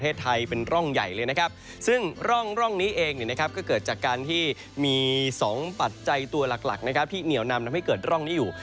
ซึ่งร่องนี้เองก็เกิดจากการที่มี๒ปัจจัยตัวหลักที่เหนียวนำให้เกิดร่องนี้อยู่